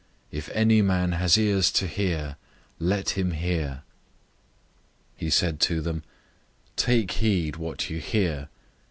004:023 If any man has ears to hear, let him hear." 004:024 He said to them, "Take heed what you hear.